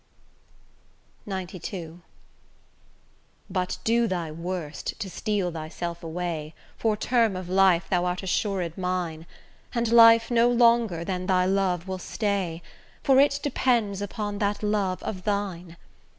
XCII But do thy worst to steal thyself away, For term of life thou art assured mine; And life no longer than thy love will stay, For it depends upon that love of thine.